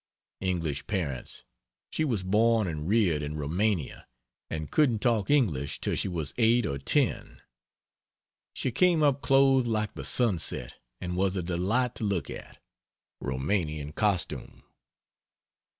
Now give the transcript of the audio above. English parents she was born and reared in Roumania and couldn't talk English till she was 8 or 10. She came up clothed like the sunset, and was a delight to look at. (Roumanian costume.).....